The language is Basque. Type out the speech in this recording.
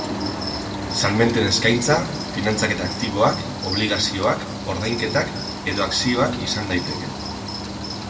Salmenten eskaintza finantzaketa-aktiboak, obligazioak, ordainketak edo akzioak izan daiteke.